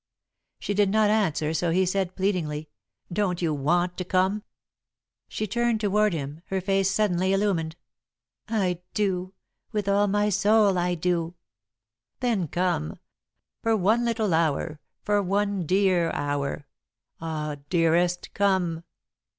She did not answer, so he said, pleadingly: "Don't you want to come?" She turned toward him, her face suddenly illumined. "I do, with all my soul I do." "Then come. For one little hour for one dear hour ah, dearest, come!"